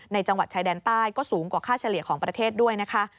จังหวัดชายแดนใต้ก็สูงกว่าค่าเฉลี่ยของประเทศด้วยนะคะ